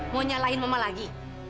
mau nyalahin mama lagi